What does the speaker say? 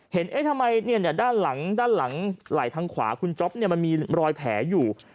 เห็นทำไมด้านหลังไหล่ทางขวาคุณจ๊อบมีรอยแผลอยู่